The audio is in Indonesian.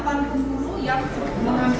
secara apapun harus dia berhenti